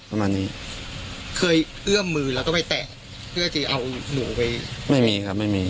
ประมาณนี้เคยเอื้อมมือแล้วก็ไปแตะเพื่อที่เอาหนูไปไม่มีครับไม่มี